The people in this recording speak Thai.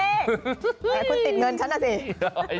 แต่คุณติดเงินฉันน่ะสิ